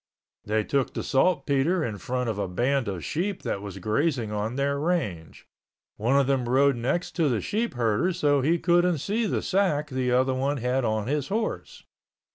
They took the saltpeter in front of a band of sheep that was grazing on their range. One of them rode next to the sheepherder so he couldn't see the sack the other one had on his horse.